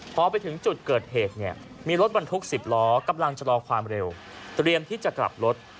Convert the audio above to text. พอไปถึงจุดเกิดเหตุเนี่ยมีรถบรรทุก๑๐ล้อกำลังจะรอความเร็วเตรียมที่จะกลับรถ